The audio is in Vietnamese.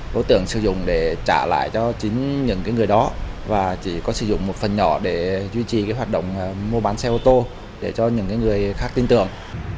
đối tượng sử dụng để trả lại cho chính những người đó và chỉ có sử dụng một phần nhỏ để duy trì hoạt động mua bán xe ô tô để cho những người khác tin tưởng